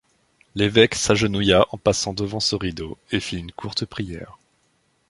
L’évêque s’agenouilla en passant devant ce rideau et fit une courte prière.